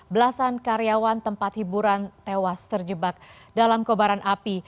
belasan karyawan tempat hiburan tewas terjebak dalam kobaran api